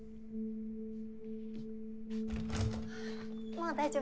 もう大丈夫。